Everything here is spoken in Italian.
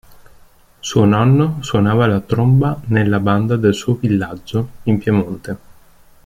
Suo nonno suonava la tromba nella banda del suo villaggio, in Piemonte.